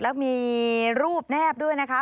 แล้วมีรูปแนบด้วยนะคะ